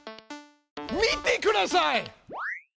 見てください！